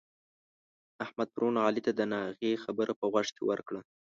احمد پرون علي ته د ناغې خبره په غوږ کې ورکړه.